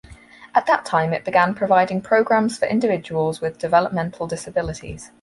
At that time it began providing programs for individuals with developmental disabilities.